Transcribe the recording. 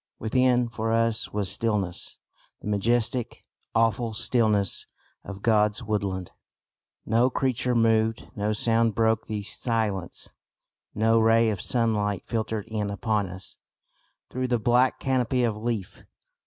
Within for us was stillness the majestic, awful stillness of God's woodland. No creature moved, no sound broke the silence, no ray of sunlight filtered in upon us through the black canopy of leaf.